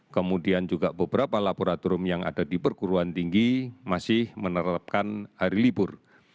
kemudian juga beberapa laboratorium yang ada di perguruan tinggi masih menerapkan hari libur